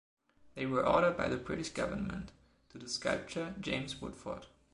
They were ordered by the British Government to the sculptor James Woodford.